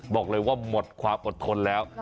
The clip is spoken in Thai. บอกเลยว่าหมดความอดทนแล้ว